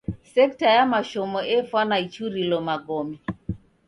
Sekta ya mashomo efwana ichurilo magome.